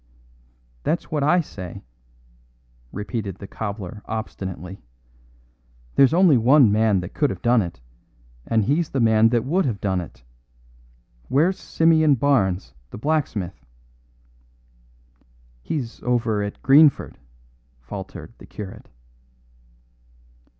"That's what I say," repeated the cobbler obstinately; "there's only one man that could have done it, and he's the man that would have done it. Where's Simeon Barnes, the blacksmith?" "He's over at Greenford," faltered the curate.